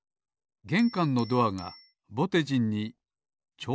げんかんのドアがぼてじんにちょうどのサイズ。